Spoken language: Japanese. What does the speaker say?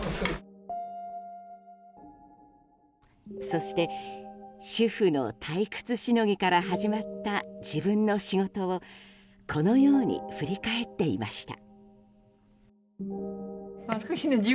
そして主婦の退屈しのぎから始まった自分の仕事をこのように振り返っていました。